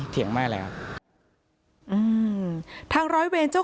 โปรดติดตามต่อไป